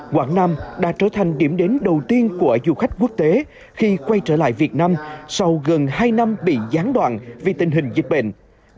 quảng nam đã trở thành điểm đến đầu tiên của du khách quốc tế khi quay trở lại việt nam sau gần hai năm bị gián đoạn vì tình hình dịch bệnh